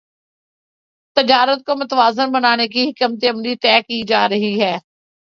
تجارت کو متوازن بنانے کی حکمت عملی طے کی جارہی ہے